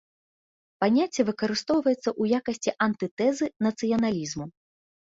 Паняцце выкарыстоўваецца ў якасці антытэзы нацыяналізму.